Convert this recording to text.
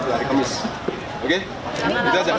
tapi yang bersumpitan masih sakit